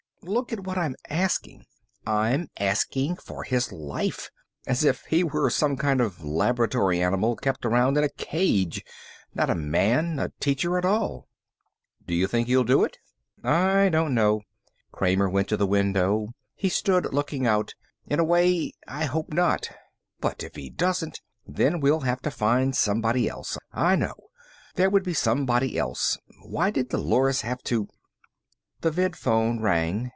"Look at what I'm asking. I'm asking for his life, as if he were some kind of laboratory animal kept around in a cage, not a man, a teacher at all." "Do you think he'll do it?" "I don't know." Kramer went to the window. He stood looking out. "In a way, I hope not." "But if he doesn't " "Then we'll have to find somebody else. I know. There would be somebody else. Why did Dolores have to " The vidphone rang.